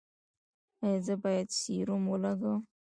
ایا زه باید سیروم ولګوم؟